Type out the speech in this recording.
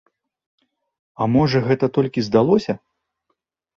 А можа, гэта толькі здалося?